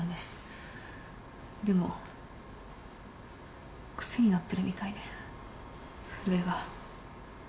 でも癖になってるみたいで震えが。